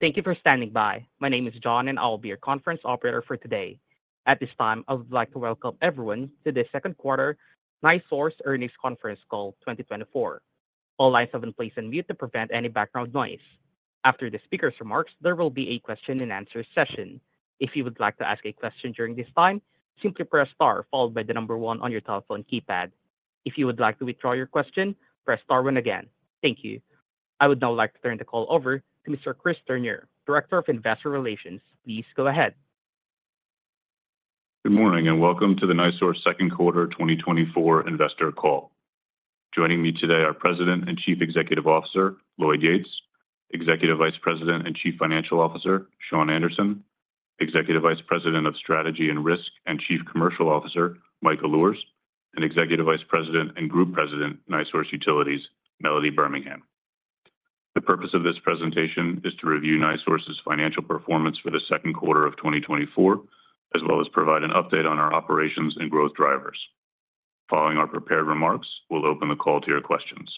Thank you for standing by. My name is John, and I will be your conference operator for today. At this time, I would like to welcome everyone to the Q2 NiSource Earnings Conference Call 2024. All lines have been placed on mute to prevent any background noise. After the speaker's remarks, there will be a question and answer session. If you would like to ask a question during this time, simply press Star followed by the number 1 on your telephone keypad. If you would like to withdraw your question, press Star 1 again. Thank you. I would now like to turn the call over to Mr. Chris Turnure, Director of Investor Relations. Please go ahead. Good morning, and welcome to the NiSource Q2 2024 Investor Call. Joining me today are President and Chief Executive Officer, Lloyd Yates; Executive Vice President and Chief Financial Officer, Shawn Anderson; Executive Vice President of Strategy and Risk, and Chief Commercial Officer, Mike Luhrs; and Executive Vice President and Group President, NiSource Utilities, Melody Birmingham. The purpose of this presentation is to review NiSource's financial performance for the Q2 of 2024, as well as provide an update on our operations and growth drivers. Following our prepared remarks, we'll open the call to your questions.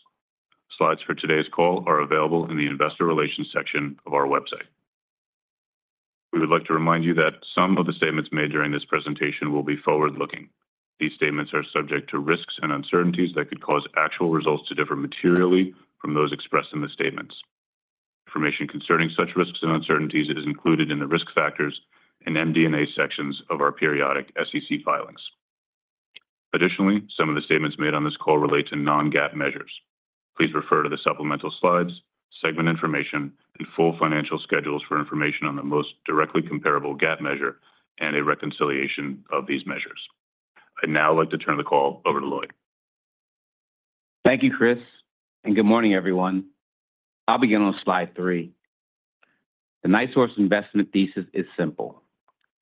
Slides for today's call are available in the Investor Relations section of our website. We would like to remind you that some of the statements made during this presentation will be forward-looking. These statements are subject to risks and uncertainties that could cause actual results to differ materially from those expressed in the statements. Information concerning such risks and uncertainties is included in the Risk Factors and MD&A sections of our periodic SEC filings. Additionally, some of the statements made on this call relate to non-GAAP measures. Please refer to the supplemental slides, segment information, and full financial schedules for information on the most directly comparable GAAP measure and a reconciliation of these measures. I'd now like to turn the call over to Lloyd. Thank you, Chris, and good morning, everyone. I'll begin on slide 3. The NiSource investment thesis is simple: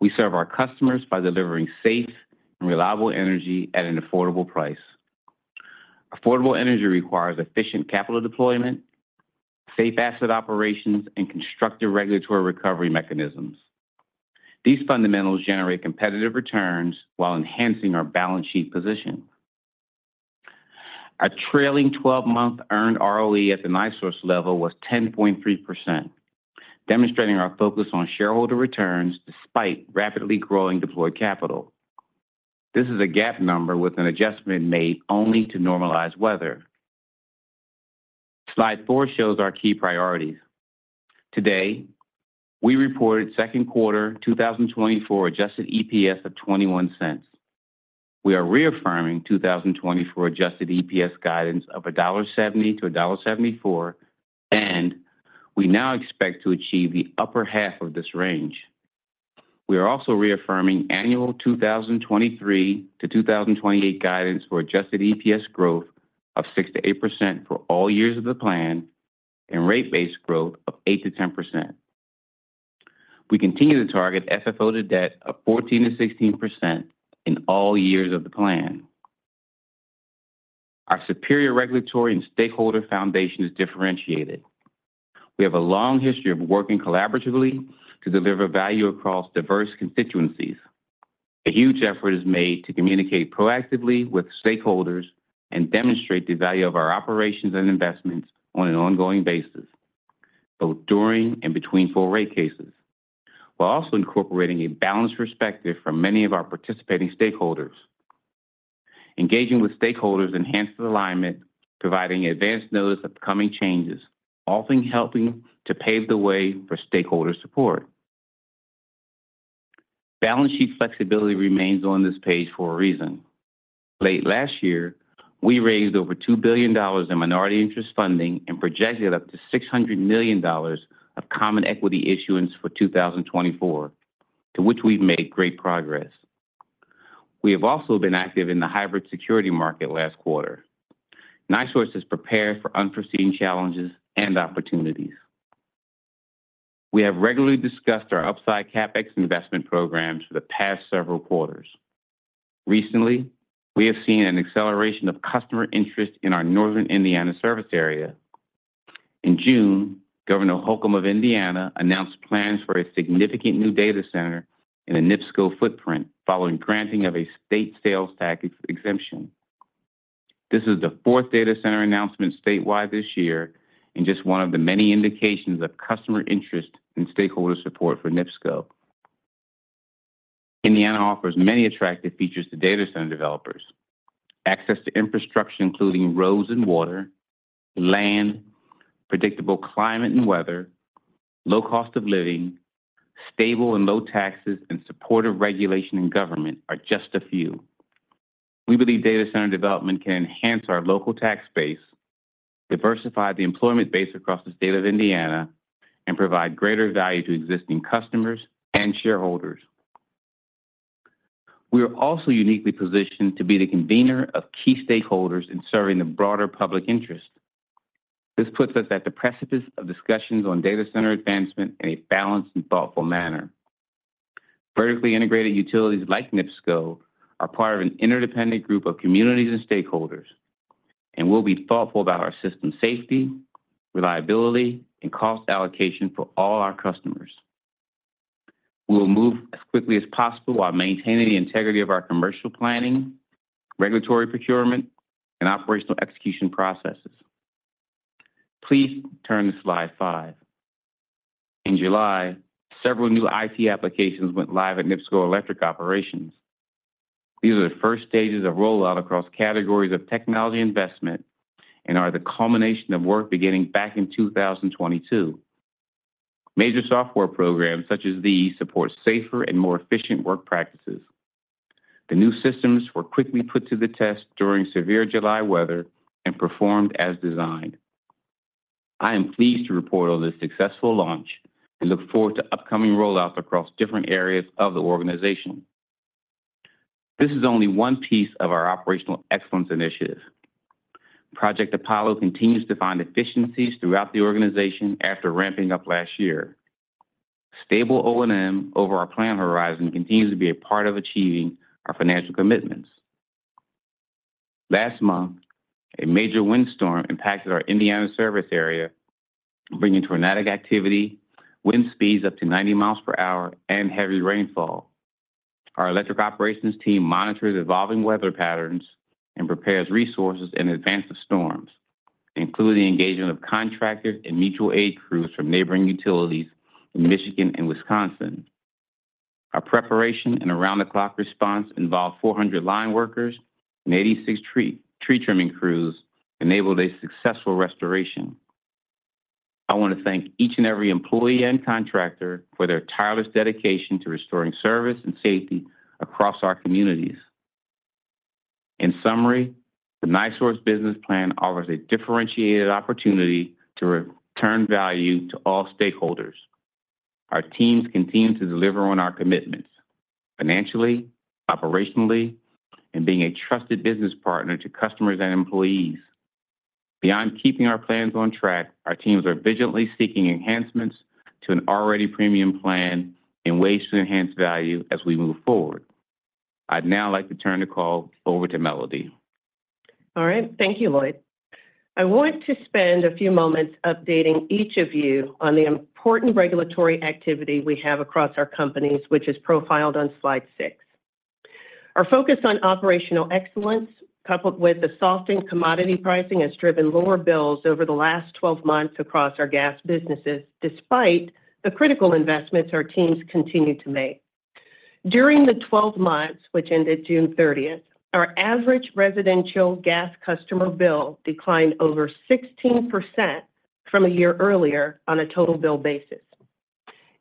We serve our customers by delivering safe and reliable energy at an affordable price. Affordable energy requires efficient capital deployment, safe asset operations, and constructive regulatory recovery mechanisms. These fundamentals generate competitive returns while enhancing our balance sheet position. Our trailing twelve-month earned ROE at the NiSource level was 10.3%, demonstrating our focus on shareholder returns despite rapidly growing deployed capital. This is a GAAP number with an adjustment made only to normalize weather. Slide 4 shows our key priorities. Today, we reported Q2 2024 adjusted EPS of $0.21. We are reaffirming 2024 adjusted EPS guidance of $1.70-$1.74, and we now expect to achieve the upper half of this range. We are also reaffirming annual 2023-2028 guidance for adjusted EPS growth of 6%-8% for all years of the plan and rate-based growth of 8%-10%. We continue to target FFO to debt of 14%-16% in all years of the plan. Our superior regulatory and stakeholder foundation is differentiated. We have a long history of working collaboratively to deliver value across diverse constituencies. A huge effort is made to communicate proactively with stakeholders and demonstrate the value of our operations and investments on an ongoing basis, both during and between full rate cases, while also incorporating a balanced perspective from many of our participating stakeholders. Engaging with stakeholders enhances alignment, providing advanced notice of upcoming changes, often helping to pave the way for stakeholder support. Balance sheet flexibility remains on this page for a reason. Late last year, we raised over $2 billion in minority interest funding and projected up to $600 million of common equity issuance for 2024, to which we've made great progress. We have also been active in the hybrid security market last quarter. NiSource is prepared for unforeseen challenges and opportunities. We have regularly discussed our upside CapEx investment programs for the past several quarters. Recently, we have seen an acceleration of customer interest in our Northern Indiana service area. In June, Governor Holcomb of Indiana announced plans for a significant new data center in a NIPSCO footprint following granting of a state sales tax exemption. This is the fourth data center announcement statewide this year and just one of the many indications of customer interest and stakeholder support for NIPSCO. Indiana offers many attractive features to data center developers. Access to infrastructure, including roads and water, land, predictable climate and weather, low cost of living, stable and low taxes, and supportive regulation and government are just a few. We believe data center development can enhance our local tax base, diversify the employment base across the state of Indiana, and provide greater value to existing customers and shareholders. We are also uniquely positioned to be the convener of key stakeholders in serving the broader public interest. This puts us at the precipice of discussions on data center advancement in a balanced and thoughtful manner. Vertically integrated utilities like NIPSCO are part of an interdependent group of communities and stakeholders, and we'll be thoughtful about our system safety, reliability, and cost allocation for all our customers.... We'll move as quickly as possible while maintaining the integrity of our commercial planning, regulatory procurement, and operational execution processes. Please turn to slide five. In July, several new IT applications went live at NIPSCO Electric Operations. These are the first stages of rollout across categories of technology investment and are the culmination of work beginning back in 2022. Major software programs such as these support safer and more efficient work practices. The new systems were quickly put to the test during severe July weather and performed as designed. I am pleased to report on this successful launch and look forward to upcoming rollouts across different areas of the organization. This is only one piece of our operational excellence initiative. Project Apollo continues to find efficiencies throughout the organization after ramping up last year. Stable O&M over our plan horizon continues to be a part of achieving our financial commitments. Last month, a major windstorm impacted our Indiana service area, bringing tornadic activity, wind speeds up to 90 miles per hour, and heavy rainfall. Our electric operations team monitors evolving weather patterns and prepares resources in advance of storms, including engagement of contractors and mutual aid crews from neighboring utilities in Michigan and Wisconsin. Our preparation and around-the-clock response involved 400 line workers and 86 tree trimming crews, enabled a successful restoration. I want to thank each and every employee and contractor for their tireless dedication to restoring service and safety across our communities. In summary, the NiSource business plan offers a differentiated opportunity to re-return value to all stakeholders. Our teams continue to deliver on our commitments financially, operationally, and being a trusted business partner to customers and employees. Beyond keeping our plans on track, our teams are vigilantly seeking enhancements to an already premium plan and ways to enhance value as we move forward. I'd now like to turn the call over to Melody. All right. Thank you, Lloyd. I want to spend a few moments updating each of you on the important regulatory activity we have across our companies, which is profiled on slide 6. Our focus on operational excellence, coupled with the softening commodity pricing, has driven lower bills over the last 12 months across our gas businesses, despite the critical investments our teams continue to make. During the 12 months, which ended June 30, our average residential gas customer bill declined over 16% from a year earlier on a total bill basis.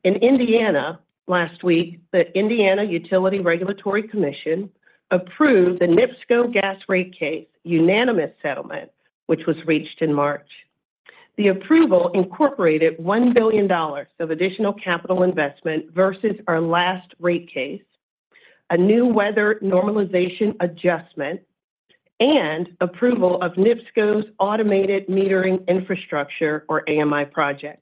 In Indiana, last week, the Indiana Utility Regulatory Commission approved the NIPSCO gas rate case unanimous settlement, which was reached in March. The approval incorporated $1 billion of additional capital investment versus our last rate case, a new weather normalization adjustment, and approval of NIPSCO's automated metering infrastructure or AMI project.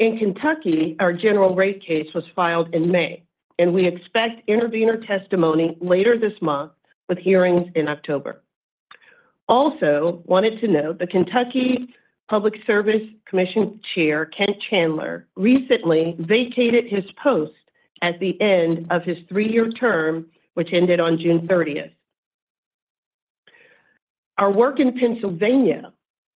In Kentucky, our general rate case was filed in May, and we expect intervener testimony later this month, with hearings in October. Also, wanted to note the Kentucky Public Service Commission Chair, Kent Chandler, recently vacated his post at the end of his three-year term, which ended on June 30. Our work in Pennsylvania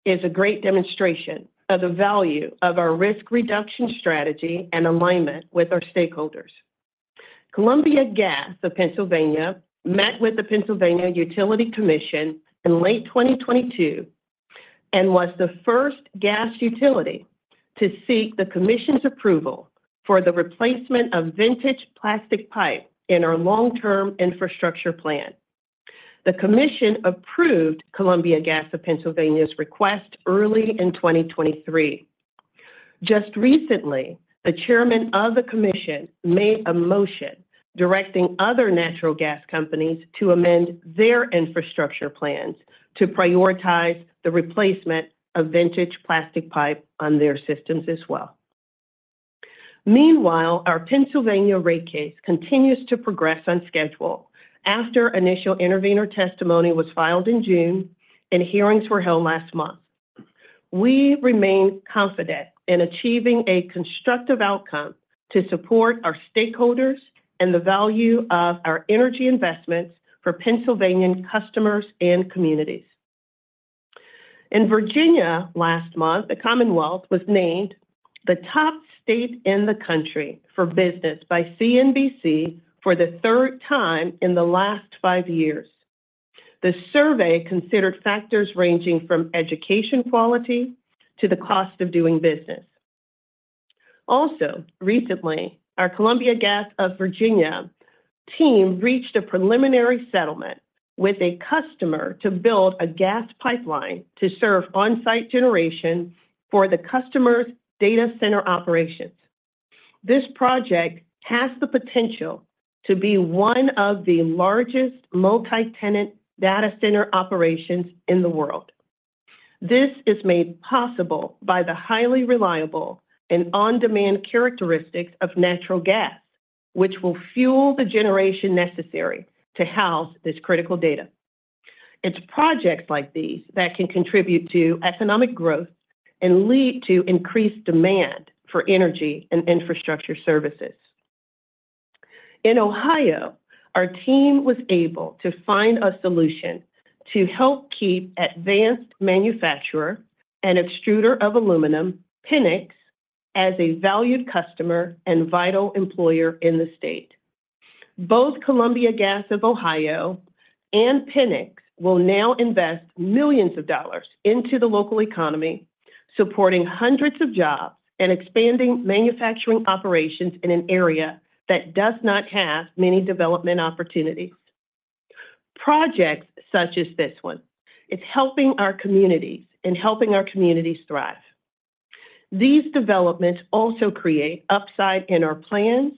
is a great demonstration of the value of our risk reduction strategy and alignment with our stakeholders. Columbia Gas of Pennsylvania met with the Pennsylvania Public Utility Commission in late 2022 and was the first gas utility to seek the Commission's approval for the replacement of vintage plastic pipe in our long-term infrastructure plan. The Commission approved Columbia Gas of Pennsylvania's request early in 2023. Just recently, the chairman of the Commission made a motion directing other natural gas companies to amend their infrastructure plans to prioritize the replacement of vintage plastic pipe on their systems as well. Meanwhile, our Pennsylvania rate case continues to progress on schedule after initial intervener testimony was filed in June and hearings were held last month. We remain confident in achieving a constructive outcome to support our stakeholders and the value of our energy investments for Pennsylvanian customers and communities. In Virginia last month, the Commonwealth was named the top state in the country for business by CNBC for the third time in the last five years. The survey considered factors ranging from education quality to the cost of doing business. Also, recently, our Columbia Gas of Virginia team reached a preliminary settlement with a customer to build a gas pipeline to serve on-site generation for the customer's data center operations. This project has the potential to be one of the largest multi-tenant data center operations in the world. This is made possible by the highly reliable and on-demand characteristics of natural gas, which will fuel the generation necessary to house this critical data... It's projects like these that can contribute to economic growth and lead to increased demand for energy and infrastructure services. In Ohio, our team was able to find a solution to help keep advanced manufacturer and extruder of aluminum, Pennex Aluminum, as a valued customer and vital employer in the state. Both Columbia Gas of Ohio and Pennex Aluminum will now invest millions of dollars into the local economy, supporting hundreds of jobs and expanding manufacturing operations in an area that does not have many development opportunities. Projects such as this one is helping our communities and helping our communities thrive. These developments also create upside in our plans,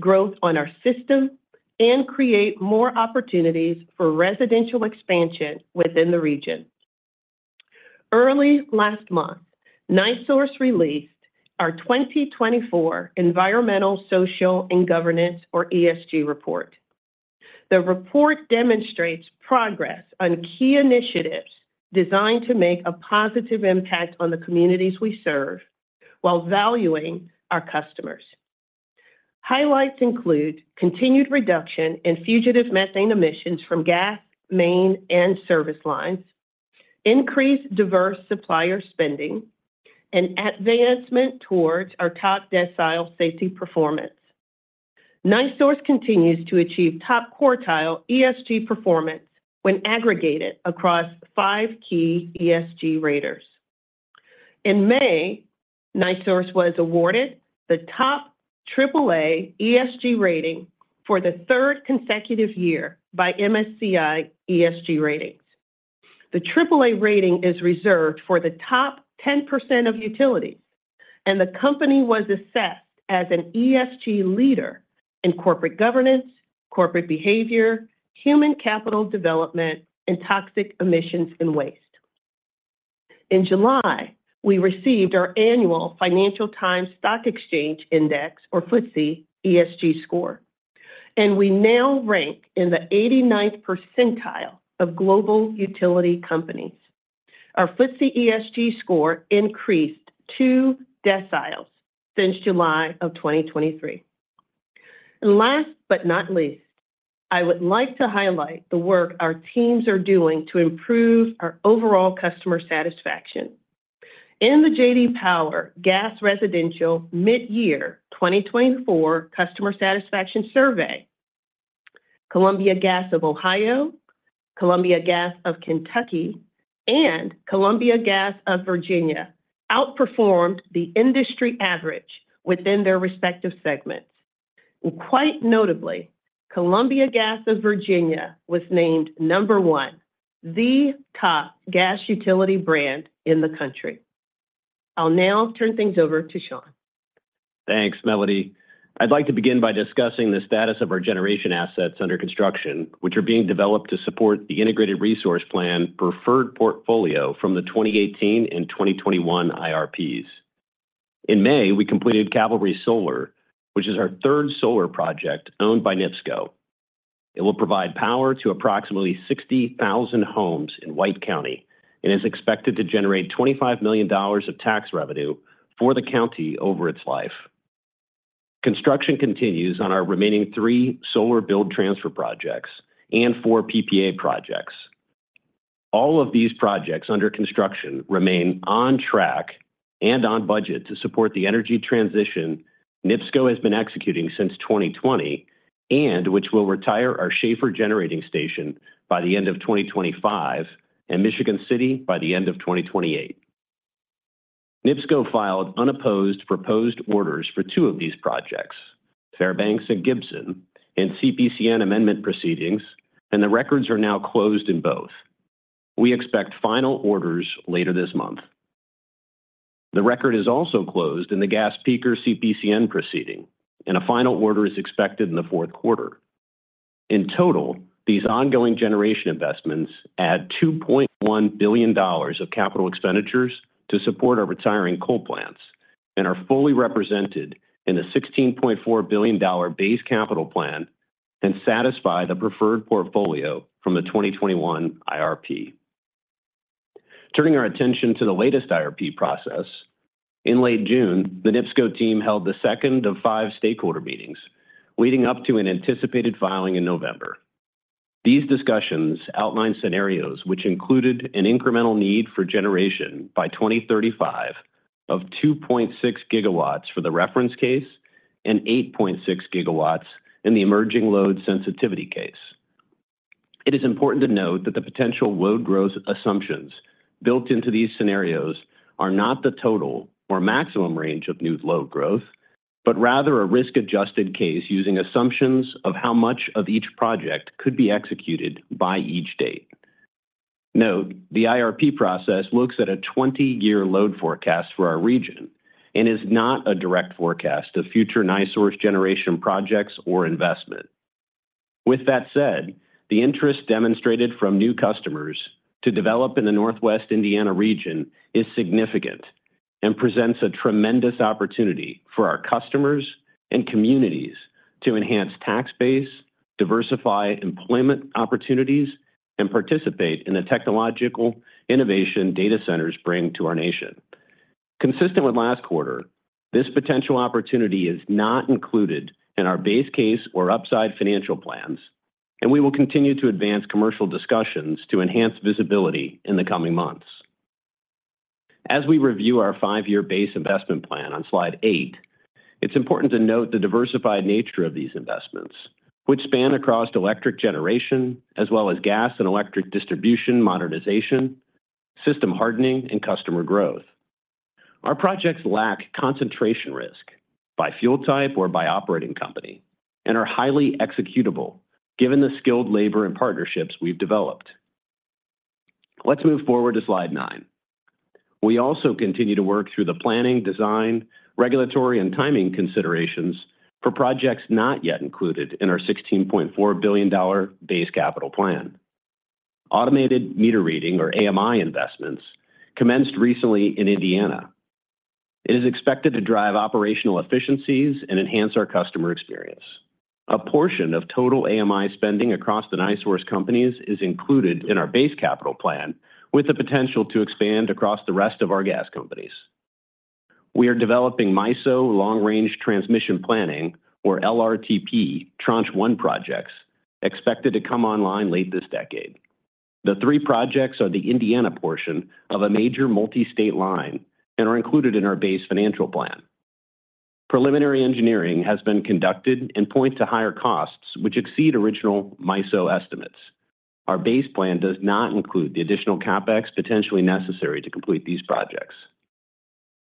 growth on our system, and create more opportunities for residential expansion within the region. Early last month, NiSource released our 2024 Environmental, Social, and Governance, or ESG, report. The report demonstrates progress on key initiatives designed to make a positive impact on the communities we serve while valuing our customers. Highlights include continued reduction in fugitive methane emissions from gas, main, and service lines, increased diverse supplier spending, and advancement towards our top decile safety performance. NiSource continues to achieve top-quartile ESG performance when aggregated across 5 key ESG raters. In May, NiSource was awarded the top AAA ESG rating for the third consecutive year by MSCI ESG Ratings. The AAA rating is reserved for the top 10% of utilities, and the company was assessed as an ESG leader in corporate governance, corporate behavior, human capital development, and toxic emissions and waste. In July, we received our annual Financial Times Stock Exchange Index, or FTSE, ESG score, and we now rank in the 89th percentile of global utility companies. Our FTSE ESG score increased 2 deciles since July of 2023. And last but not least, I would like to highlight the work our teams are doing to improve our overall customer satisfaction. In the J.D. Power Gas Residential Midyear 2024 Customer Satisfaction Survey, Columbia Gas of Ohio, Columbia Gas of Kentucky, and Columbia Gas of Virginia outperformed the industry average within their respective segments. Quite notably, Columbia Gas of Virginia was named number one, the top gas utility brand in the country. I'll now turn things over to Shawn. Thanks, Melody. I'd like to begin by discussing the status of our generation assets under construction, which are being developed to support the integrated resource plan preferred portfolio from the 2018 and 2021 IRPs. In May, we completed Cavalry Solar, which is our third solar project owned by NIPSCO. It will provide power to approximately 60,000 homes in White County and is expected to generate $25 million of tax revenue for the county over its life. Construction continues on our remaining three solar build transfer projects and four PPA projects. All of these projects under construction remain on track and on budget to support the energy transition NIPSCO has been executing since 2020, and which will retire our Schahfer Generating Station by the end of 2025 and Michigan City by the end of 2028. NIPSCO filed unopposed proposed orders for two of these projects, Fairbanks and Gibson, and CPCN amendment proceedings, and the records are now closed in both. We expect final orders later this month. The record is also closed in the gas peaker CPCN proceeding, and a final order is expected in the Q4. In total, these ongoing generation investments add $2.1 billion of capital expenditures to support our retiring coal plants and are fully represented in the $16.4 billion base capital plan and satisfy the preferred portfolio from the 2021 IRP. Turning our attention to the latest IRP process, in late June, the NIPSCO team held the second of five stakeholder meetings leading up to an anticipated filing in November. These discussions outlined scenarios which included an incremental need for generation by 2035 of 2.6 gigawatts for the reference case and 8.6 gigawatts in the emerging load sensitivity case. It is important to note that the potential load growth assumptions built into these scenarios are not the total or maximum range of new load growth, but rather a risk-adjusted case using assumptions of how much of each project could be executed by each date. Note, the IRP process looks at a 20-year load forecast for our region and is not a direct forecast of future NiSource generation projects or investment. With that said, the interest demonstrated from new customers-... to develop in the Northwest Indiana region is significant and presents a tremendous opportunity for our customers and communities to enhance tax base, diversify employment opportunities, and participate in the technological innovation data centers bring to our nation. Consistent with last quarter, this potential opportunity is not included in our base case or upside financial plans, and we will continue to advance commercial discussions to enhance visibility in the coming months. As we review our five-year base investment plan on slide eight, it's important to note the diversified nature of these investments, which span across electric generation as well as gas and electric distribution modernization, system hardening, and customer growth. Our projects lack concentration risk by fuel type or by operating company, and are highly executable, given the skilled labor and partnerships we've developed. Let's move forward to slide nine. We also continue to work through the planning, design, regulatory, and timing considerations for projects not yet included in our $16.4 billion base capital plan. Automated meter reading, or AMI investments, commenced recently in Indiana. It is expected to drive operational efficiencies and enhance our customer experience. A portion of total AMI spending across the NiSource companies is included in our base capital plan, with the potential to expand across the rest of our gas companies. We are developing MISO Long Range Transmission Planning, or LRTP, Tranche 1 projects, expected to come online late this decade. The three projects are the Indiana portion of a major multi-state line and are included in our base financial plan. Preliminary engineering has been conducted and points to higher costs, which exceed original MISO estimates. Our base plan does not include the additional CapEx potentially necessary to complete these projects.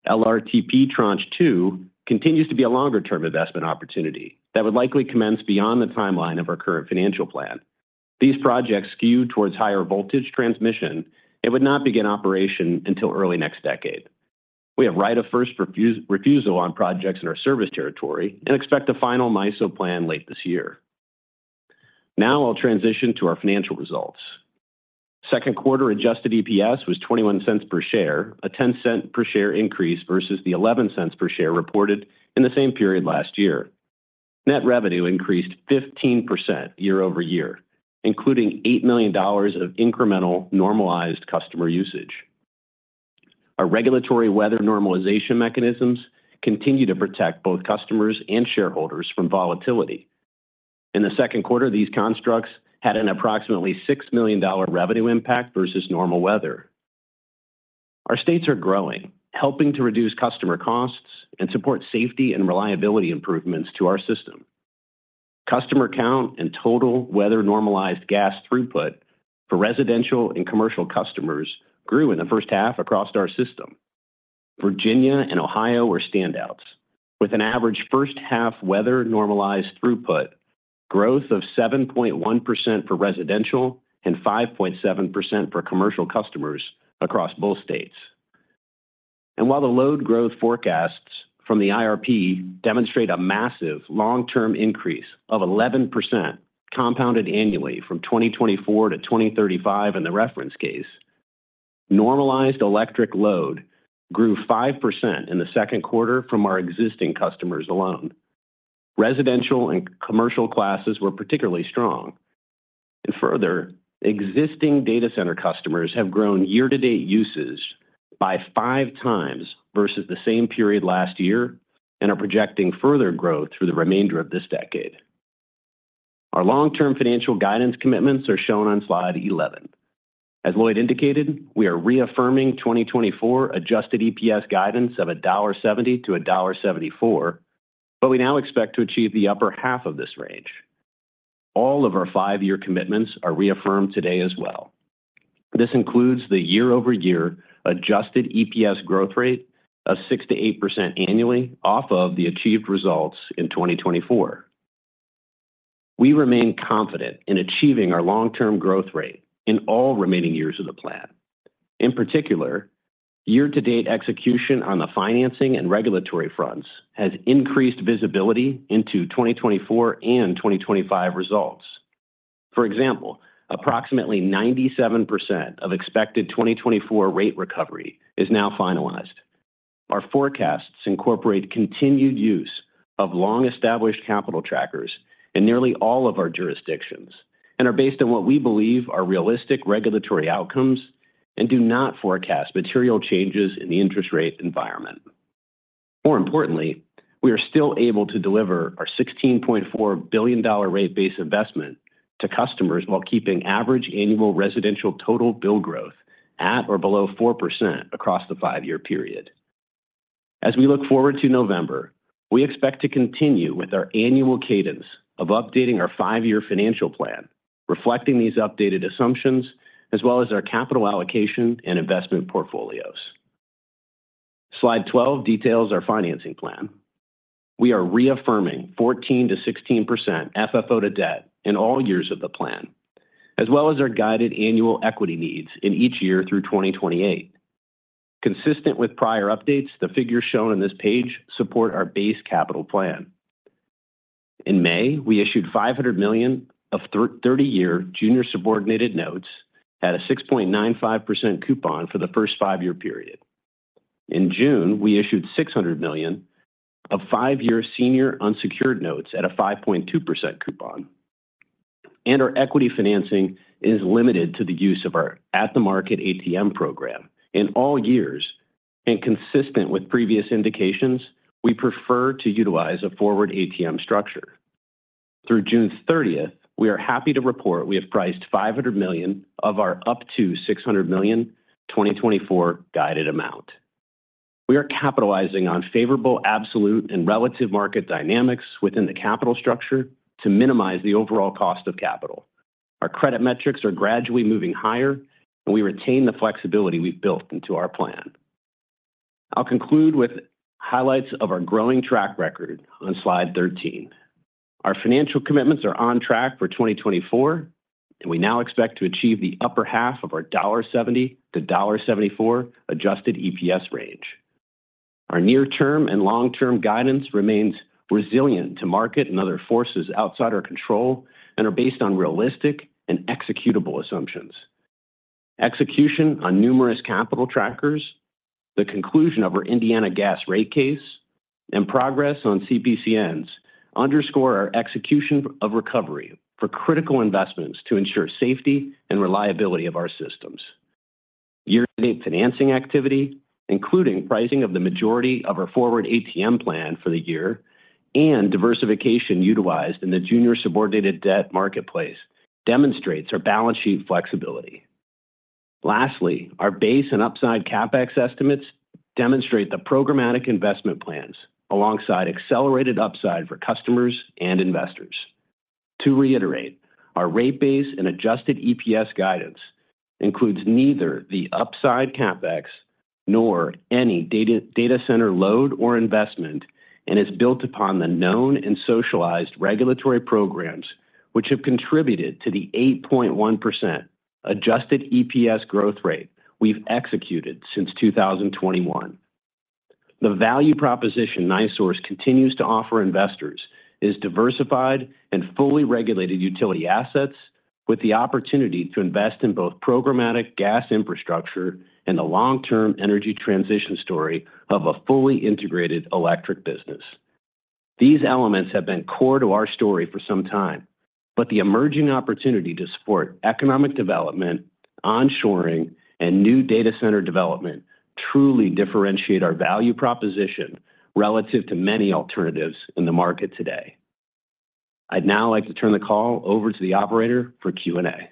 LRTP Tranche 2 continues to be a longer-term investment opportunity that would likely commence beyond the timeline of our current financial plan. These projects skew towards higher voltage transmission and would not begin operation until early next decade. We have right of first refusal on projects in our service territory and expect a final MISO plan late this year. Now I'll transition to our financial results. Q2 adjusted EPS was $0.21 per share, a $0.10 per share increase versus the $0.11 per share reported in the same period last year. Net revenue increased 15% year-over-year, including $8 million of incremental normalized customer usage. Our regulatory weather normalization mechanisms continue to protect both customers and shareholders from volatility. In the Q2, these constructs had an approximately $6 million revenue impact versus normal weather. Our states are growing, helping to reduce customer costs and support safety and reliability improvements to our system. Customer count and total weather normalized gas throughput for residential and commercial customers grew in the first half across our system. Virginia and Ohio were standouts, with an average first half weather normalized throughput growth of 7.1% for residential and 5.7% for commercial customers across both states. And while the load growth forecasts from the IRP demonstrate a massive long-term increase of 11%, compounded annually from 2024 to 2035 in the reference case, normalized electric load grew 5% in the Q2 from our existing customers alone. Residential and commercial classes were particularly strong. Further, existing data center customers have grown year-to-date usage by 5 times versus the same period last year, and are projecting further growth through the remainder of this decade. Our long-term financial guidance commitments are shown on slide 11. As Lloyd indicated, we are reaffirming 2024 adjusted EPS guidance of $1.70-$1.74, but we now expect to achieve the upper half of this range. All of our 5-year commitments are reaffirmed today as well. This includes the year-over-year adjusted EPS growth rate of 6%-8% annually off of the achieved results in 2024. We remain confident in achieving our long-term growth rate in all remaining years of the plan. In particular, year-to-date execution on the financing and regulatory fronts has increased visibility into 2024 and 2025 results. For example, approximately 97% of expected 2024 rate recovery is now finalized. Our forecasts incorporate continued use of long-established capital trackers in nearly all of our jurisdictions and are based on what we believe are realistic regulatory outcomes and do not forecast material changes in the interest rate environment. More importantly, we are still able to deliver our $16.4 billion rate base investment to customers while keeping average annual residential total bill growth at or below 4% across the five-year period. As we look forward to November, we expect to continue with our annual cadence of updating our five-year financial plan, reflecting these updated assumptions, as well as our capital allocation and investment portfolios. Slide 12 details our financing plan. We are reaffirming 14%-16% FFO to debt in all years of the plan, as well as our guided annual equity needs in each year through 2028. Consistent with prior updates, the figures shown on this page support our base capital plan.... In May, we issued $500 million of thirty-year junior subordinated notes at a 6.95% coupon for the first five-year period. In June, we issued $600 million of five-year senior unsecured notes at a 5.2% coupon, and our equity financing is limited to the use of our at-the-market ATM program. In all years, and consistent with previous indications, we prefer to utilize a forward ATM structure. Through June 30, we are happy to report we have priced $500 million of our up to $600 million 2024 guided amount. We are capitalizing on favorable, absolute, and relative market dynamics within the capital structure to minimize the overall cost of capital. Our credit metrics are gradually moving higher, and we retain the flexibility we've built into our plan. I'll conclude with highlights of our growing track record on slide 13. Our financial commitments are on track for 2024, and we now expect to achieve the upper half of our $70-$74 adjusted EPS range. Our near-term and long-term guidance remains resilient to market and other forces outside our control, and are based on realistic and executable assumptions. Execution on numerous capital trackers, the conclusion of our Indiana gas rate case, and progress on CPCNs underscore our execution of recovery for critical investments to ensure safety and reliability of our systems. Year-to-date financing activity, including pricing of the majority of our forward ATM plan for the year and diversification utilized in the junior subordinated debt marketplace, demonstrates our balance sheet flexibility. Lastly, our base and upside CapEx estimates demonstrate the programmatic investment plans, alongside accelerated upside for customers and investors. To reiterate, our rate base and adjusted EPS guidance includes neither the upside CapEx nor any data, data center load or investment, and is built upon the known and socialized regulatory programs, which have contributed to the 8.1% adjusted EPS growth rate we've executed since 2021. The value proposition NiSource continues to offer investors is diversified and fully regulated utility assets, with the opportunity to invest in both programmatic gas infrastructure and the long-term energy transition story of a fully integrated electric business. These elements have been core to our story for some time, but the emerging opportunity to support economic development, onshoring, and new data center development truly differentiate our value proposition relative to many alternatives in the market today. I'd now like to turn the call over to the operator for Q&A.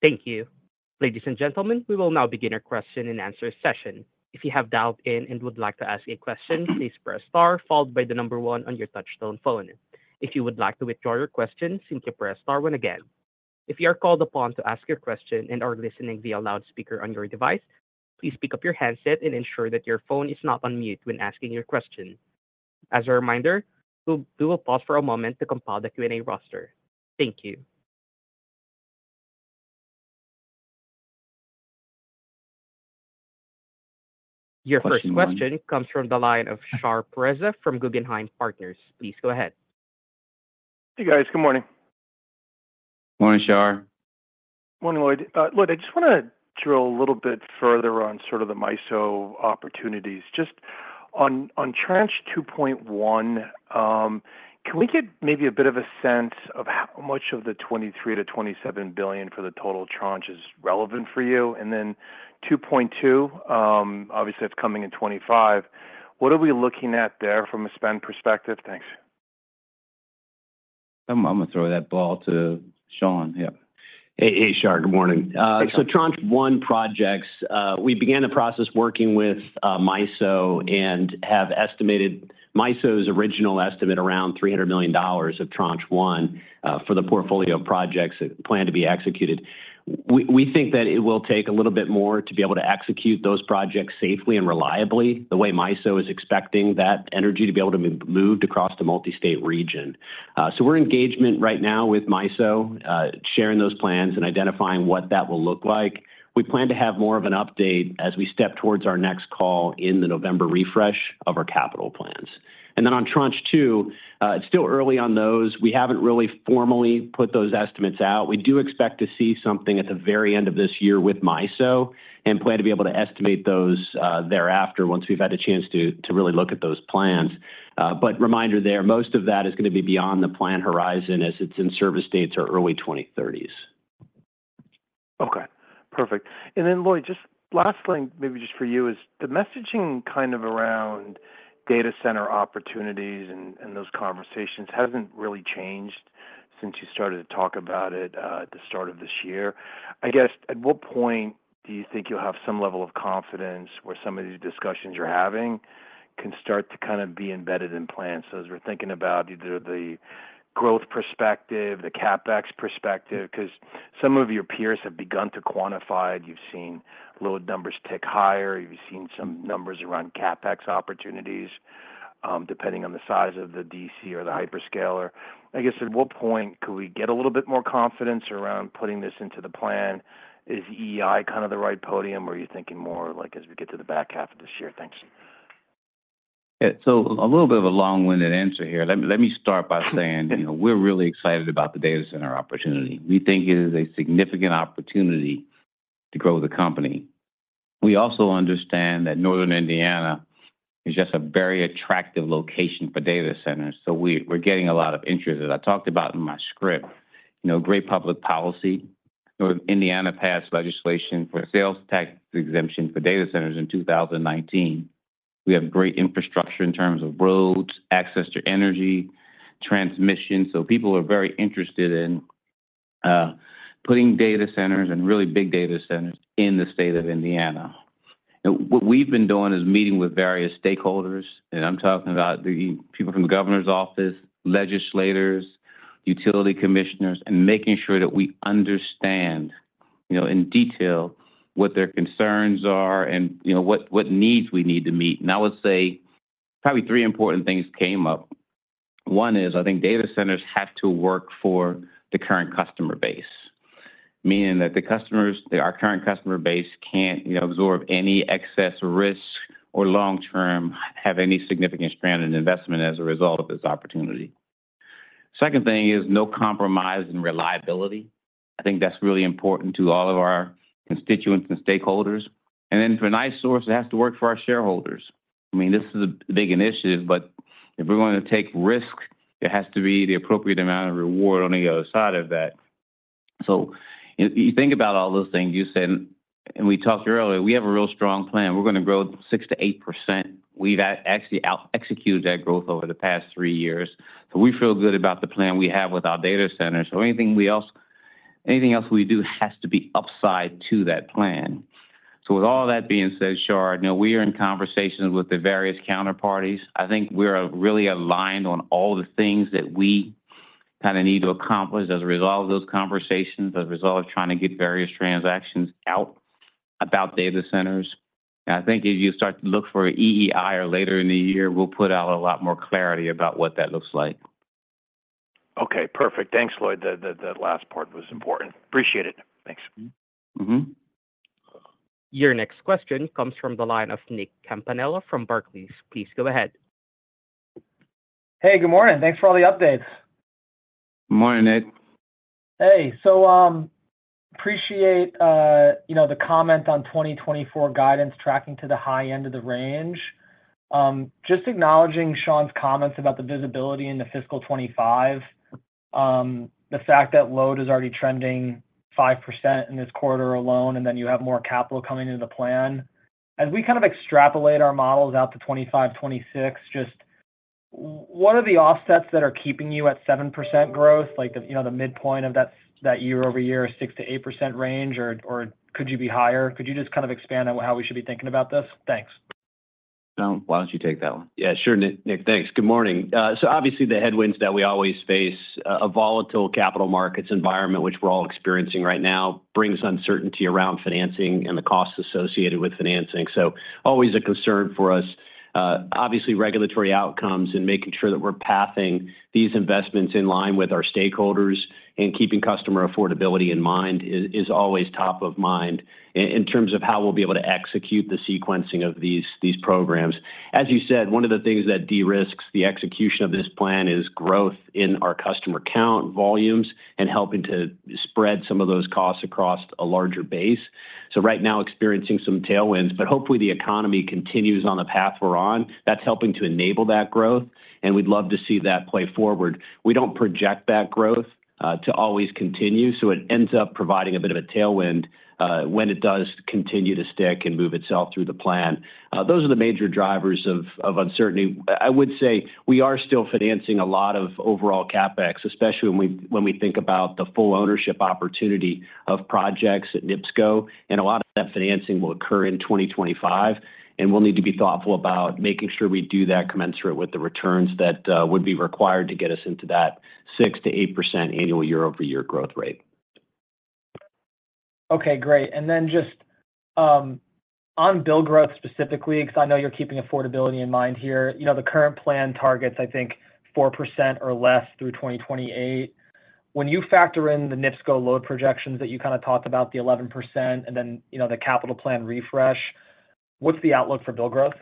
Thank you. Ladies and gentlemen, we will now begin our question-and-answer session. If you have dialed in and would like to ask a question, please press star followed by the number one on your touchtone phone. If you would like to withdraw your question, simply press star one again. If you are called upon to ask your question and are listening via loudspeaker on your device, please pick up your handset and ensure that your phone is not on mute when asking your question. As a reminder, we'll do a pause for a moment to compile the Q&A roster. Thank you. Your first question comes from the line of Shahriar Pourreza from Guggenheim Partners. Please go ahead. Hey, guys. Good morning. Morning, Shar. Morning, Lloyd. Lloyd, I just wanna drill a little bit further on sort of the MISO opportunities. Just on Tranche 2.1, can we get maybe a bit of a sense of how much of the $23 billion-$27 billion for the total tranche is relevant for you? And then 2.2, obviously, that's coming in 2025. What are we looking at there from a spend perspective? Thanks. I'm gonna throw that ball to Shawn. Yeah. Hey, hey, Shar. Good morning. Thanks, Shawn. So Tranche 1 projects, we began the process working with MISO and have estimated MISO's original estimate around $300 million of Tranche 1, for the portfolio of projects that plan to be executed. We, we think that it will take a little bit more to be able to execute those projects safely and reliably, the way MISO is expecting that energy to be able to move, moved across the multi-state region. So we're in engagement right now with MISO, sharing those plans and identifying what that will look like. We plan to have more of an update as we step towards our next call in the November refresh of our capital plans. And then on Tranche 2, it's still early on those. We haven't really formally put those estimates out. We do expect to see something at the very end of this year with MISO, and plan to be able to estimate those, thereafter, once we've had a chance to really look at those plans. But reminder there, most of that is gonna be beyond the plan horizon, as its in-service dates are early 2030s. Okay. Perfect. And then Lloyd, just last thing, maybe just for you is, the messaging kind of around data center opportunities and, and those conversations hasn't really changed since you started to talk about it, at the start of this year. I guess, at what point do you think you'll have some level of confidence where some of these discussions you're having can start to kind of be embedded in plans? So as we're thinking about either the growth perspective, the CapEx perspective, because some of your peers have begun to quantify it. You've seen load numbers tick higher, you've seen some numbers around CapEx opportunities, depending on the size of the DC or the hyperscaler. I guess, at what point could we get a little bit more confidence around putting this into the plan? Is EEI kind of the right podium, or are you thinking more, like, as we get to the back half of this year? Thanks. ... Yeah, so a little bit of a long-winded answer here. Let me, let me start by saying, you know, we're really excited about the data center opportunity. We think it is a significant opportunity to grow the company. We also understand that Northern Indiana is just a very attractive location for data centers, so we- we're getting a lot of interest. As I talked about in my script, you know, great public policy. Northern Indiana passed legislation for sales tax exemption for data centers in 2019. We have great infrastructure in terms of roads, access to energy, transmission, so people are very interested in putting data centers and really big data centers in the state of Indiana. What we've been doing is meeting with various stakeholders, and I'm talking about the people from the governor's office, legislators, utility commissioners, and making sure that we understand, you know, in detail what their concerns are and, you know, what, what needs we need to meet. Now, I would say probably three important things came up. One is, I think data centers have to work for the current customer base, meaning that the customers, our current customer base can't, you know, absorb any excess risk or long term, have any significant stranded investment as a result of this opportunity. Second thing is no compromise in reliability. I think that's really important to all of our constituents and stakeholders. And then for NiSource, it has to work for our shareholders. I mean, this is a big initiative, but if we're going to take risk, there has to be the appropriate amount of reward on the other side of that. So if you think about all those things you said, and we talked earlier, we have a real strong plan. We're gonna grow 6%-8%. We've actually out-executed that growth over the past three years, so we feel good about the plan we have with our data centers. So anything else we do has to be upside to that plan. So with all that being said, Shar, you know, we are in conversations with the various counterparties. I think we're really aligned on all the things that we kinda need to accomplish as a result of those conversations, as a result of trying to get various transactions out about data centers. I think as you start to look for EEI or later in the year, we'll put out a lot more clarity about what that looks like. Okay, perfect. Thanks, Lloyd. The last part was important. Appreciate it. Thanks. Mm-hmm. Your next question comes from the line of Nick Campanella from Barclays. Please go ahead. Hey, good morning. Thanks for all the updates. Morning, Nick. Hey, so, appreciate, you know, the comment on 2024 guidance tracking to the high end of the range. Just acknowledging Shawn's comments about the visibility into fiscal 2025, the fact that load is already trending 5% in this quarter alone, and then you have more capital coming into the plan. As we kind of extrapolate our models out to 2025, 2026, just what are the offsets that are keeping you at 7% growth, like, the, you know, the midpoint of that, that year-over-year, 6%-8% range, or, or could you be higher? Could you just kind of expand on how we should be thinking about this? Thanks. Shawn, why don't you take that one? Yeah, sure, Nick. Thanks. Good morning. So obviously, the headwinds that we always face, a volatile capital markets environment, which we're all experiencing right now, brings uncertainty around financing and the costs associated with financing. So always a concern for us. Obviously, regulatory outcomes and making sure that we're pathing these investments in line with our stakeholders and keeping customer affordability in mind is always top of mind in terms of how we'll be able to execute the sequencing of these programs. As you said, one of the things that de-risks the execution of this plan is growth in our customer count volumes and helping to spread some of those costs across a larger base. So right now, experiencing some tailwinds, but hopefully, the economy continues on the path we're on. That's helping to enable that growth, and we'd love to see that play forward. We don't project that growth to always continue, so it ends up providing a bit of a tailwind when it does continue to stick and move itself through the plan. Those are the major drivers of, of uncertainty. I would say we are still financing a lot of overall CapEx, especially when we, when we think about the full ownership opportunity of projects at NIPSCO, and a lot of that financing will occur in 2025, and we'll need to be thoughtful about making sure we do that commensurate with the returns that would be required to get us into that 6%-8% annual year-over-year growth rate. Okay, great. And then just, on bill growth specifically, because I know you're keeping affordability in mind here. You know, the current plan targets, I think, 4% or less through 2028. When you factor in the NIPSCO load projections that you kinda talked about, the 11%, and then, you know, the capital plan refresh, what's the outlook for bill growth?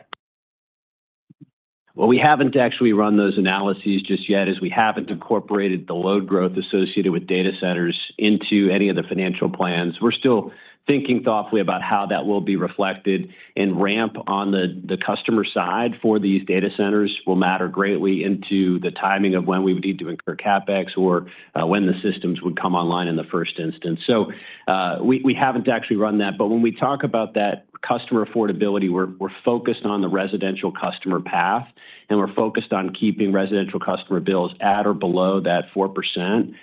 Well, we haven't actually run those analyses just yet, as we haven't incorporated the load growth associated with data centers into any of the financial plans. We're still thinking thoughtfully about how that will be reflected, and ramp on the customer side for these data centers will matter greatly into the timing of when we would need to incur CapEx or, when the systems would come online in the first instance. So, we haven't actually run that. But when we talk about that customer affordability, we're focused on the residential customer path, and we're focused on keeping residential customer bills at or below that 4%.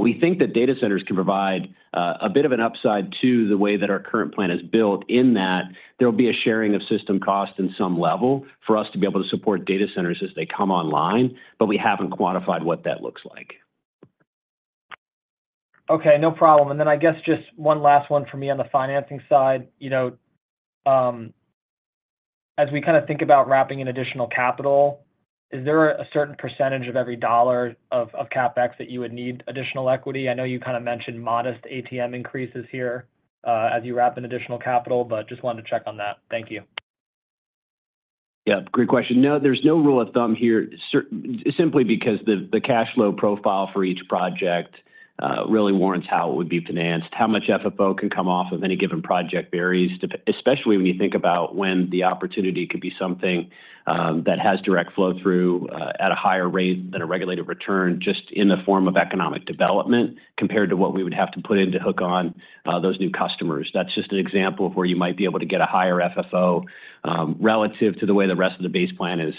We think that data centers can provide a bit of an upside to the way that our current plan is built in, that there will be a sharing of system costs in some level for us to be able to support data centers as they come online, but we haven't quantified what that looks like. Okay, no problem. And then I guess just one last one for me on the financing side. You know, as we kinda think about wrapping in additional capital-... Is there a certain percentage of every dollar of, of CapEx that you would need additional equity? I know you kind of mentioned modest ATM increases here, as you wrap in additional capital, but just wanted to check on that. Thank you. Yeah, great question. No, there's no rule of thumb here, simply because the cash flow profile for each project really warrants how it would be financed. How much FFO can come off of any given project varies, especially when you think about when the opportunity could be something that has direct flow-through at a higher rate than a regulated return, just in the form of economic development, compared to what we would have to put in to hook on those new customers. That's just an example of where you might be able to get a higher FFO, relative to the way the rest of the base plan is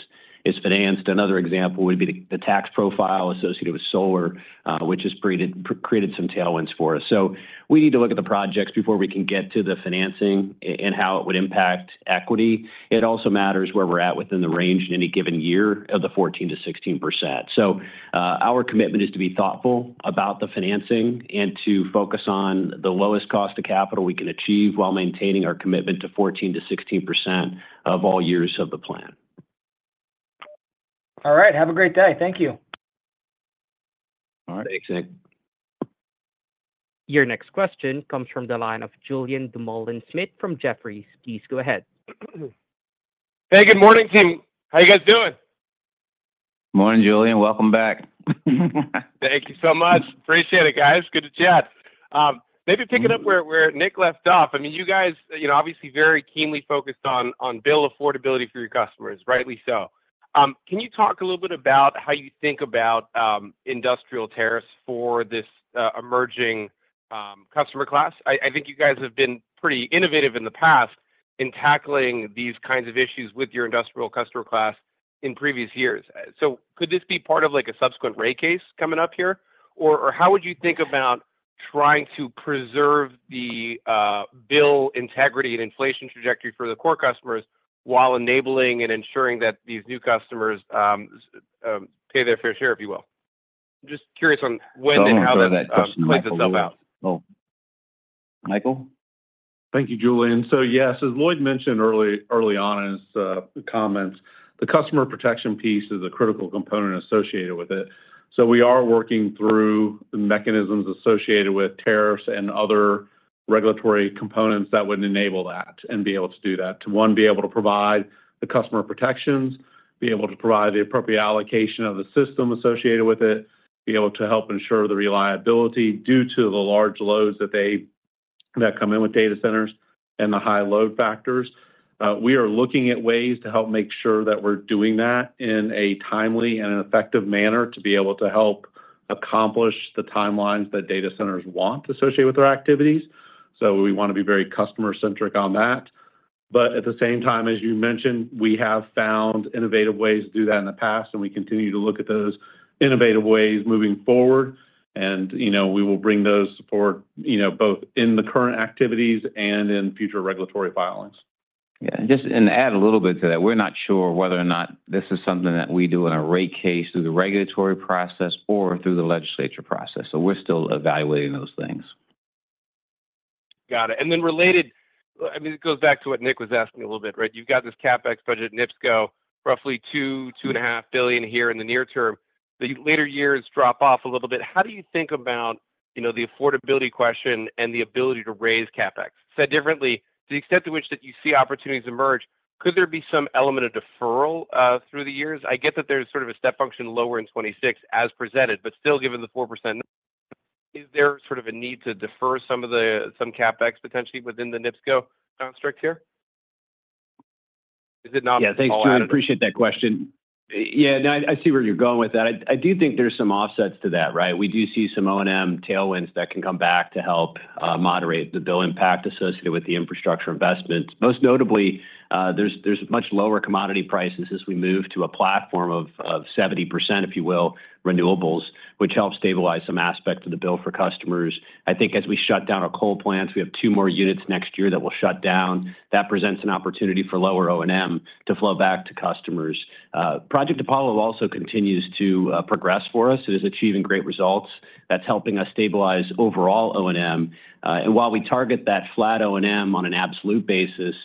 financed. Another example would be the tax profile associated with solar, which has created some tailwinds for us. So we need to look at the projects before we can get to the financing and how it would impact equity. It also matters where we're at within the range in any given year of the 14%-16%. So, our commitment is to be thoughtful about the financing and to focus on the lowest cost of capital we can achieve while maintaining our commitment to 14%-16% of all years of the plan. All right, have a great day. Thank you. All right. Thanks, Nick. Your next question comes from the line of Julien Dumoulin-Smith from Jefferies. Please go ahead. Hey, good morning, team. How you guys doing? Morning, Julien. Welcome back. Thank you so much. Appreciate it, guys. Good to chat. Maybe picking up where Nick left off, I mean, you guys, you know, obviously very keenly focused on bill affordability for your customers, rightly so. Can you talk a little bit about how you think about industrial tariffs for this emerging customer class? I think you guys have been pretty innovative in the past in tackling these kinds of issues with your industrial customer class in previous years. So could this be part of, like, a subsequent rate case coming up here? Or how would you think about trying to preserve the bill integrity and inflation trajectory for the core customers while enabling and ensuring that these new customers pay their fair share, if you will? Just curious on when and how that plays itself out. Michael? Thank you, Julien. So yes, as Lloyd mentioned early on in his comments, the customer protection piece is a critical component associated with it. So we are working through the mechanisms associated with tariffs and other regulatory components that would enable that and be able to do that, to, one, be able to provide the customer protections, be able to provide the appropriate allocation of the system associated with it, be able to help ensure the reliability due to the large loads that come in with data centers and the high load factors. We are looking at ways to help make sure that we're doing that in a timely and an effective manner to be able to help accomplish the timelines that data centers want associated with their activities. So we want to be very customer-centric on that. But at the same time, as you mentioned, we have found innovative ways to do that in the past, and we continue to look at those innovative ways moving forward. And, you know, we will bring those forward, you know, both in the current activities and in future regulatory filings. Yeah, and just to add a little bit to that, we're not sure whether or not this is something that we do in a rate case, through the regulatory process or through the legislature process, so we're still evaluating those things. Got it. And then related, I mean, it goes back to what Nick was asking a little bit, right? You've got this CapEx budget, NIPSCO, roughly $2 billion-$2.5 billion here in the near term. The later years drop off a little bit. How do you think about, you know, the affordability question and the ability to raise CapEx? Said differently, the extent to which that you see opportunities emerge, could there be some element of deferral through the years? I get that there's sort of a step function lower in 2026 as presented, but still, given the 4%, is there sort of a need to defer some of the, some CapEx potentially within the NIPSCO construct here? Is it not- Yeah, thanks, Julien. I appreciate that question. Yeah, no, I see where you're going with that. I do think there's some offsets to that, right? We do see some O&M tailwinds that can come back to help moderate the bill impact associated with the infrastructure investments. Most notably, there's much lower commodity prices as we move to a platform of 70%, if you will, renewables, which helps stabilize some aspects of the bill for customers. I think as we shut down our coal plants, we have two more units next year that will shut down. That presents an opportunity for lower O&M to flow back to customers. Project Apollo also continues to progress for us. It is achieving great results. That's helping us stabilize overall O&M. And while we target that flat O&M on an absolute basis,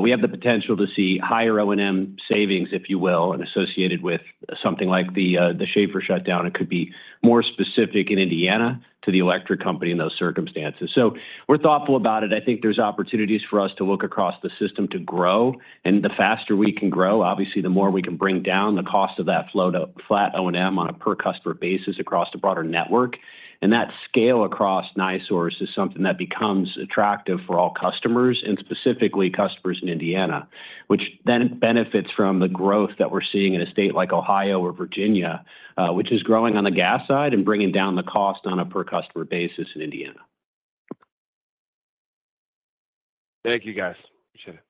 we have the potential to see higher O&M savings, if you will, and associated with something like the, the Schahfer shutdown. It could be more specific in Indiana to the electric company in those circumstances. So we're thoughtful about it. I think there's opportunities for us to look across the system to grow, and the faster we can grow, obviously, the more we can bring down the cost of that flow to flat O&M on a per-customer basis across the broader network. And that scale across NiSource is something that becomes attractive for all customers, and specifically customers in Indiana, which then benefits from the growth that we're seeing in a state like Ohio or Virginia, which is growing on the gas side and bringing down the cost on a per-customer basis in Indiana. Thank you, guys. Appreciate it.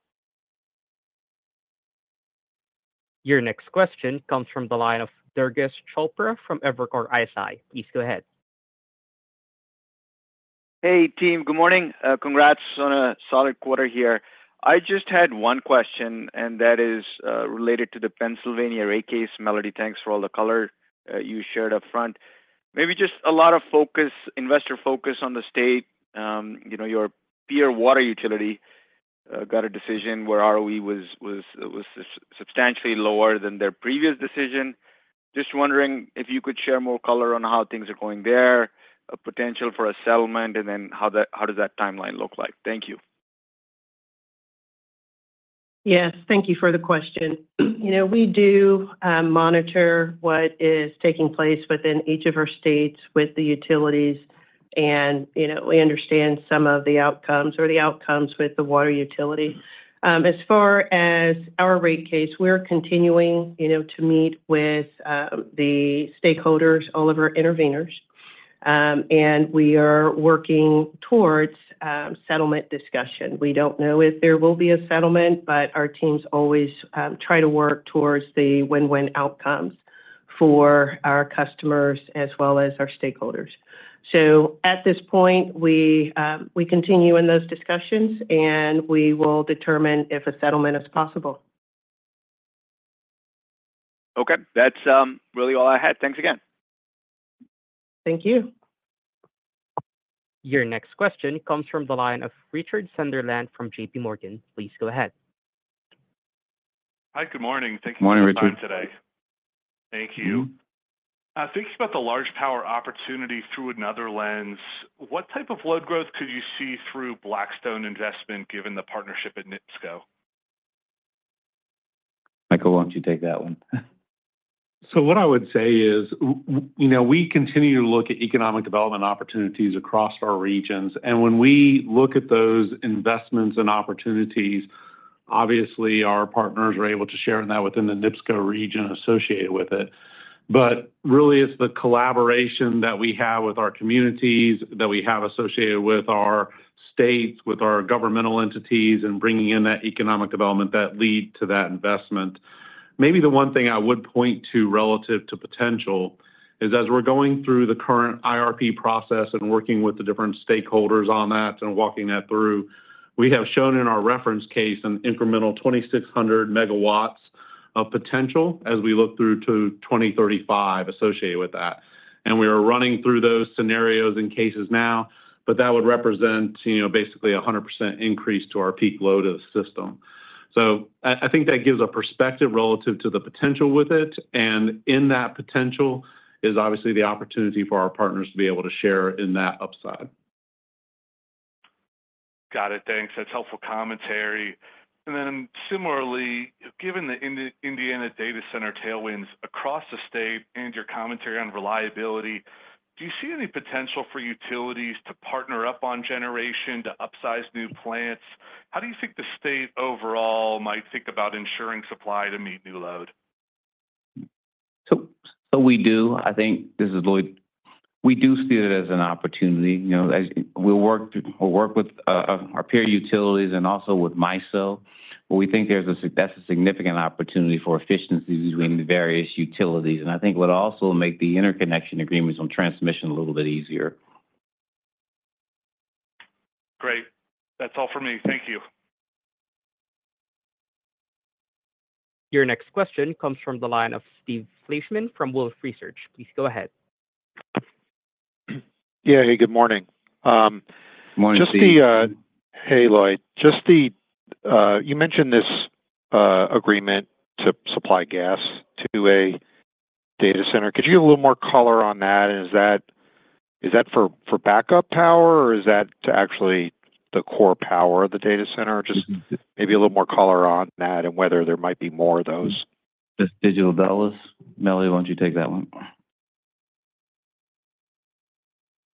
Your next question comes from the line of Durgesh Chopra from Evercore ISI. Please go ahead. Hey, team. Good morning. Congrats on a solid quarter here. I just had one question, and that is, related to the Pennsylvania rate case. Melody, thanks for all the color, you shared up front. Maybe just a lot of focus, investor focus on the state, you know, your peer water utility.... got a decision where ROE was substantially lower than their previous decision. Just wondering if you could share more color on how things are going there, a potential for a settlement, and then how that, how does that timeline look like? Thank you. Yes, thank you for the question. You know, we do monitor what is taking place within each of our states with the utilities, and, you know, we understand some of the outcomes or the outcomes with the water utility. As far as our rate case, we're continuing, you know, to meet with the stakeholders, all of our interveners. And we are working towards settlement discussion. We don't know if there will be a settlement, but our teams always try to work towards the win-win outcomes for our customers as well as our stakeholders. So at this point, we continue in those discussions, and we will determine if a settlement is possible. Okay. That's really all I had. Thanks again. Thank you. Your next question comes from the line of Richard Sunderland from J.P. Morgan. Please go ahead. Hi, good morning. Good morning, Richard. Thank you for your time today. Thank you. Mm-hmm. Thinking about the large power opportunity through another lens, what type of load growth could you see through Blackstone investment, given the partnership at NIPSCO? Michael, why don't you take that one? What I would say is, you know, we continue to look at economic development opportunities across our regions, and when we look at those investments and opportunities, obviously our partners are able to share in that within the NIPSCO region associated with it. But really, it's the collaboration that we have with our communities, that we have associated with our states, with our governmental entities, and bringing in that economic development that lead to that investment. Maybe the one thing I would point to relative to potential is, as we're going through the current IRP process and working with the different stakeholders on that and walking that through, we have shown in our reference case an incremental 2,600 megawatts of potential as we look through to 2035 associated with that. We are running through those scenarios and cases now, but that would represent, you know, basically a 100% increase to our peak load of the system. So I think that gives a perspective relative to the potential with it, and in that potential is obviously the opportunity for our partners to be able to share in that upside. Got it. Thanks. That's helpful commentary. And then similarly, given the Indiana data center tailwinds across the state and your commentary on reliability, do you see any potential for utilities to partner up on generation to upsize new plants? How do you think the state overall might think about ensuring supply to meet new load? So we do. I think this is Lloyd. We do see it as an opportunity. You know, as... We'll work with our peer utilities and also with MISO, but we think that's a significant opportunity for efficiencies between the various utilities. And I think it would also make the interconnection agreements on transmission a little bit easier. Great. That's all for me. Thank you. Your next question comes from the line of Steve Fleishman from Wolfe Research. Please go ahead. Yeah. Hey, good morning. Good morning, Steve. Hey, Lloyd. You mentioned this agreement to supply gas to a data center. Could you give a little more color on that? And is that, is that for, for backup power, or is that to actually the core power of the data center? Just maybe a little more color on that and whether there might be more of those. Just Digital Realty. Melody, why don't you take that one?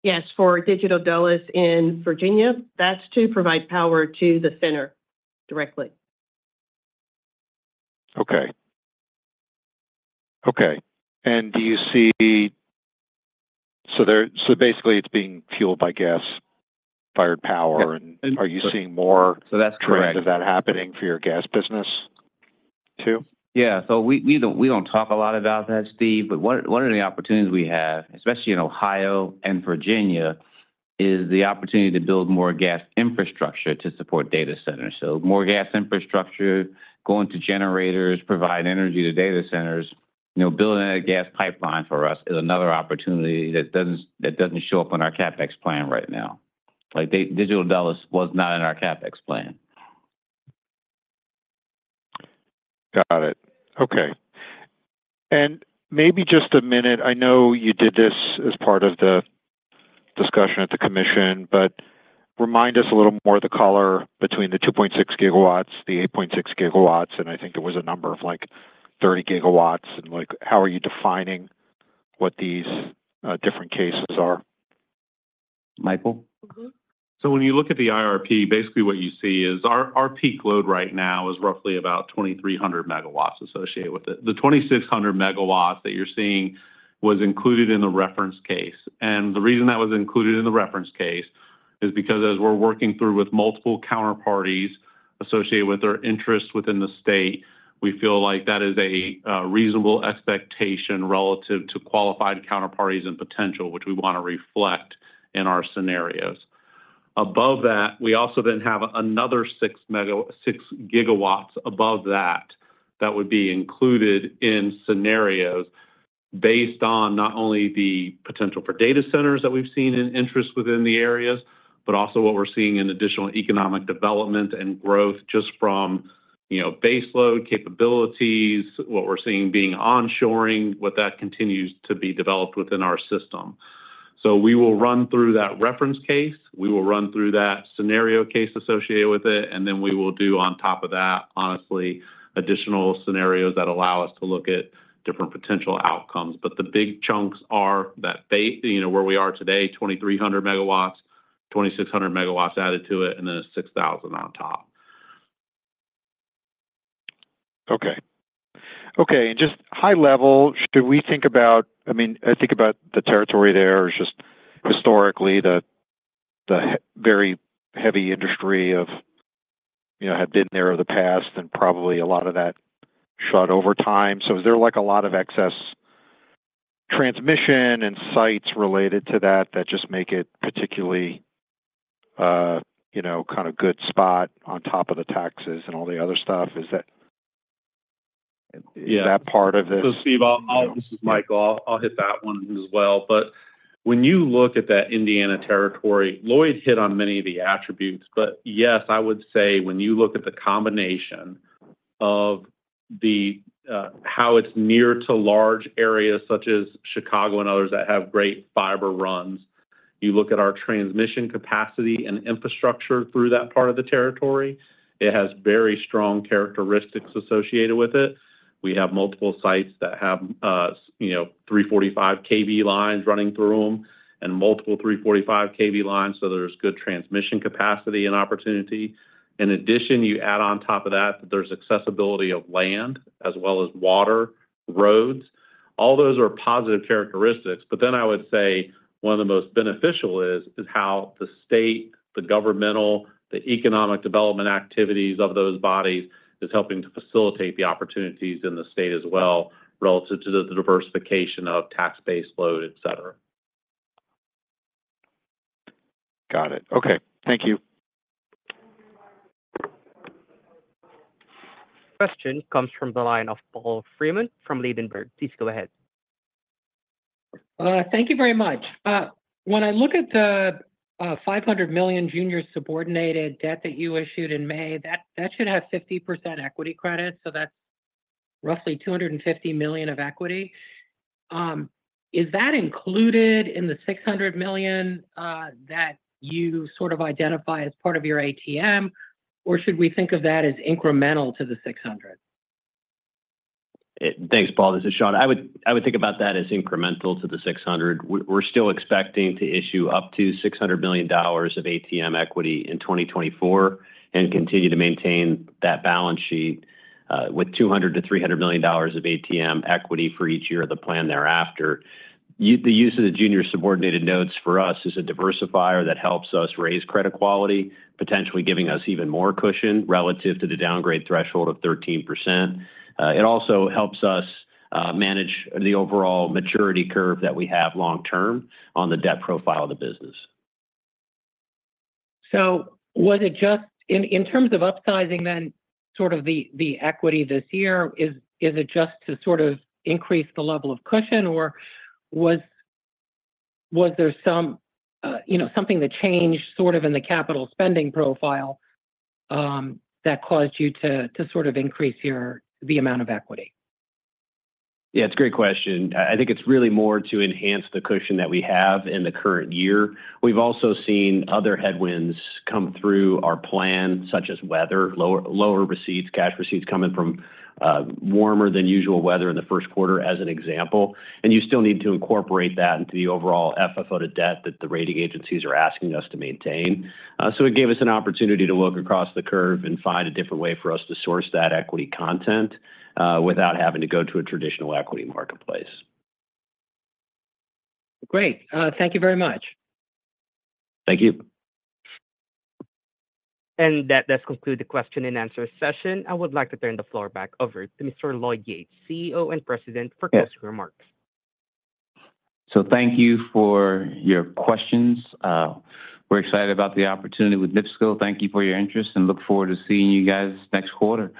Yes, for Digital Realty in Virginia, that's to provide power to the center directly. Okay. Okay, and do you see— So there, so basically it's being fueled by gas-fired power- Yep. Are you seeing more- That's correct.... trend of that happening for your gas business, too? Yeah, we don't talk a lot about that, Steve, but one of the opportunities we have, especially in Ohio and Virginia, is the opportunity to build more gas infrastructure to support data centers. So more gas infrastructure, going to generators, provide energy to data centers. You know, building a gas pipeline for us is another opportunity that doesn't show up on our CapEx plan right now. Like, Digital Realty was not in our CapEx plan. Got it. Okay. Maybe just a minute, I know you did this as part of the discussion at the commission, but remind us a little more of the color between the 2.6 gigawatts, the 8.6 gigawatts, and I think there was a number of, like, 30 gigawatts, and, like, how are you defining what these different cases are? Michael? Mm-hmm. So when you look at the IRP, basically what you see is our peak load right now is roughly about 2,300 MW associated with it. The 2,600 MW that you're seeing was included in the reference case, and the reason that was included in the reference case is because as we're working through with multiple counterparties associated with our interests within the state, we feel like that is a reasonable expectation relative to qualified counterparties and potential, which we want to reflect in our scenarios. Above that, we also then have another 6 GW above that-... that would be included in scenarios based on not only the potential for data centers that we've seen in interest within the areas, but also what we're seeing in additional economic development and growth just from, you know, baseload capabilities, what we're seeing being onshoring, what that continues to be developed within our system. So we will run through that reference case, we will run through that scenario case associated with it, and then we will do on top of that, honestly, additional scenarios that allow us to look at different potential outcomes. But the big chunks are that you know, where we are today, 2,300 megawatts, 2,600 megawatts added to it, and then a 6,000 on top. Okay. Okay, and just high level, do we think about—I mean, I think about the territory there is just historically the very heavy industry of, you know, have been there over the past and probably a lot of that shut over time. So is there, like, a lot of excess transmission and sites related to that, that just make it particularly, you know, kind of good spot on top of the taxes and all the other stuff? Is that- Yeah. Is that part of it? So, Steve, this is Mike. I'll hit that one as well. But when you look at that Indiana territory, Lloyd hit on many of the attributes. But yes, I would say when you look at the combination of the how it's near to large areas such as Chicago and others that have great fiber runs, you look at our transmission capacity and infrastructure through that part of the territory, it has very strong characteristics associated with it. We have multiple sites that have, you know, 345 kV lines running through them, and multiple 345 kV lines, so there's good transmission capacity and opportunity. In addition, you add on top of that, there's accessibility of land as well as water, roads. All those are positive characteristics. But then I would say one of the most beneficial is how the state, the governmental, the economic development activities of those bodies is helping to facilitate the opportunities in the state as well, relative to the diversification of tax base, load, et cetera. Got it. Okay. Thank you. Question comes from the line of Paul Fremont from Ladenburg. Please go ahead. Thank you very much. When I look at the $500 million junior subordinated debt that you issued in May, that should have 50% equity credit, so that's roughly $250 million of equity. Is that included in the $600 million that you sort of identify as part of your ATM, or should we think of that as incremental to the $600 million? Thanks, Paul. This is Shawn. I would, I would think about that as incremental to the 600. We're still expecting to issue up to $600 million of ATM equity in 2024, and continue to maintain that balance sheet with $200 million-$300 million of ATM equity for each year of the plan thereafter. The use of the junior subordinated notes for us is a diversifier that helps us raise credit quality, potentially giving us even more cushion relative to the downgrade threshold of 13%. It also helps us manage the overall maturity curve that we have long term on the debt profile of the business. So was it just in terms of upsizing, then, sort of the equity this year, is it just to sort of increase the level of cushion, or was there some, you know, something that changed sort of in the capital spending profile that caused you to sort of increase the amount of equity? Yeah, it's a great question. I, I think it's really more to enhance the cushion that we have in the current year. We've also seen other headwinds come through our plan, such as weather, lower receipts, cash receipts coming from warmer than usual weather in the Q1, as an example, and you still need to incorporate that into the overall FFO to Debt that the rating agencies are asking us to maintain. So it gave us an opportunity to look across the curve and find a different way for us to source that equity content without having to go to a traditional equity marketplace. Great. Thank you very much. Thank you. That does conclude the question and answer session. I would like to turn the floor back over to Mr. Lloyd Yates, CEO and President, for closing remarks. Thank you for your questions. We're excited about the opportunity with NIPSCO. Thank you for your interest, and look forward to seeing you guys next quarter.